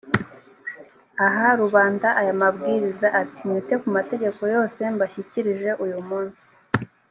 aha rubanda aya mabwiriza, ati «mwite ku mategeko yose mbashyikirije uyu munsi.